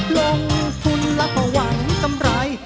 ลงทุนแล้วก็หวังกำไร